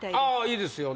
いいですよ